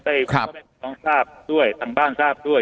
ได้ครับทั้งทั้งบ้านทราบด้วย